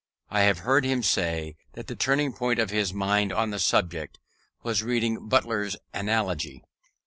I have heard him say, that the turning point of his mind on the subject was reading Butler's Analogy.